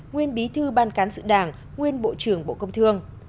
nguyên bí thư ban cán sự đảng nguyên bộ trưởng bộ công thương